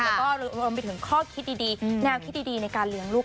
แล้วก็รวมไปถึงข้อคิดดีแนวคิดดีในการเลี้ยงลูก